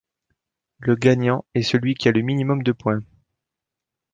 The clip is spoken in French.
Le gagnant est celui qui a le minimum de points.